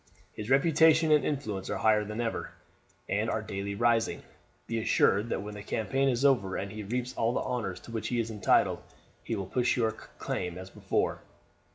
His reputation and influence are higher than ever, and are daily rising; be assured that when the campaign is over, and he reaps all the honours to which he is entitled, he will push your claim as before.'"